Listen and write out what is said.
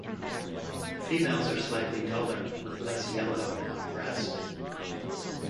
Females are slightly duller, with less yellow on breast.